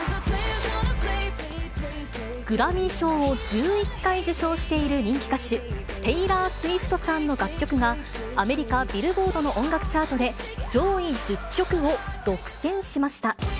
グラミー賞を１１回受賞している人気歌手、テイラー・スウィフトさんの楽曲が、アメリカ、ビルボードの音楽チャートで上位１０曲を独占しました。